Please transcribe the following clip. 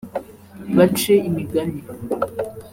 bace imigani